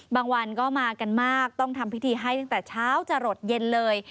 บางวันก็มากันมากต้องทำพิธีให้ตั้งแต่เช้าจะหลดเย็นเลย